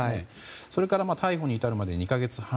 それから逮捕に至るまで２か月半。